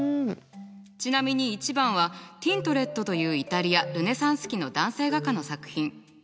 ちなみに１番はティントレットというイタリアルネサンス期の男性画家の作品。